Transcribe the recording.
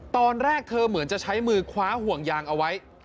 ตอนแรกเธอเหมือนจะใช้มือคว้าห่วงยางเอาไว้